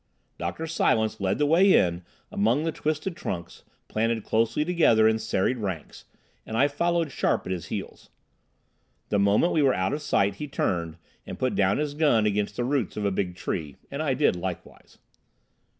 Dr. Silence led the way in among the twisted trunks, planted closely together in serried ranks, and I followed sharp at his heels. The moment we were out of sight he turned and put down his gun against the roots of a big tree, and I did likewise.